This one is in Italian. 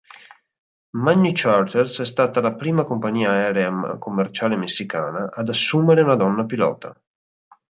Magnicharters è stata la prima compagnia aerea commerciale messicana ad assumere una donna pilota.